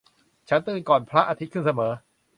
ฉันตื่นก่อนพระอาทิตย์ขึ้นเสมอ